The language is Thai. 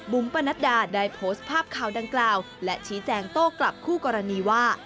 ปนัดดาได้โพสต์ภาพข่าวดังกล่าวและชี้แจงโต้กลับคู่กรณีว่า